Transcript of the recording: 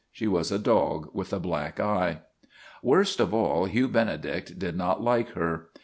She was a dog with a black eye. Worst of all, Hugh Benedict did not like her.